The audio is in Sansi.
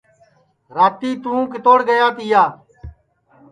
راتی توں کِتوڑ گیا تِیا